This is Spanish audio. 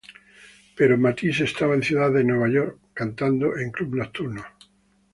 Pero Mathis estaba en la Ciudad de New York cantando en clubes nocturnos.